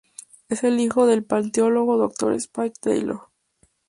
Es el hijo del paleontólogo Dr. Spike Taylor.